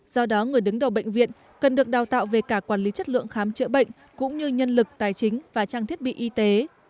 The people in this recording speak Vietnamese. do đó người đứng đầu bệnh viện cần được đào tạo về cả quản lý chất lượng khám chữa bệnh cũng như nhân lực tài chính và trang thiết bị y tế